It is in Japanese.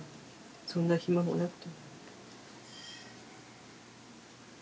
そんな暇もなくて。